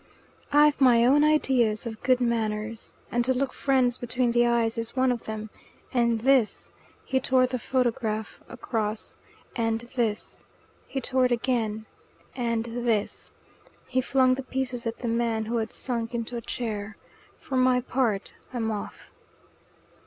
"I've my own ideas of good manners, and to look friends between the eyes is one of them; and this" he tore the photograph across "and this" he tore it again "and these " He flung the pieces at the man, who had sunk into a chair. "For my part, I'm off."